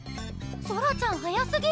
ソラちゃん速すぎ！